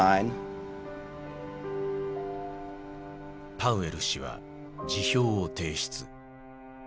パウエル氏は辞表を提出。